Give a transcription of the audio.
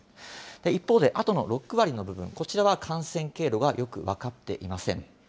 一方であとの６割の部分、こちらは感染経路がよく分かっていません。